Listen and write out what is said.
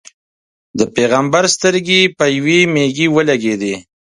د پېغمبر سترګې په یوې مېږې ولګېدې.